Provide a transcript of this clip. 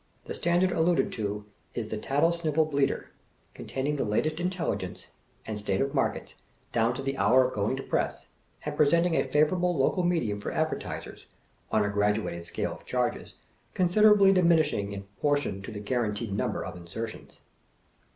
The standard alluded to is The Tattlesnivel Bleater, containing the lat est intelligence, and state of markets, down to the hour of going to press, and presenting a favorable local medium for 399 advertisers, on a graduated scale of charges, considerably diminishing ia proportion to the guaranteed number of insertions.